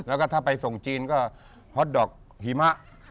แล้วก็ถ้าไปส่งจีนก็ฮอตดอกหิมะ